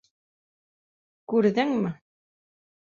Күрҙеңме?